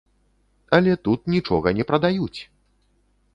Але тут нічога не прадаюць!